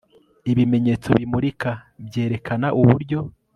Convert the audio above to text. ibimenyetso bimulika byerekana uburyo